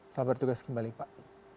selamat bertugas kembali pak